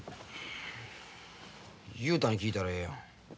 雄太に聞いたらええやん。